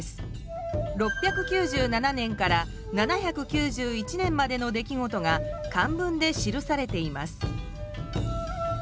６９７年から７９１年までの出来事が漢文で記されています。